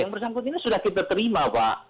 yang bersangkutan ini sudah kita terima pak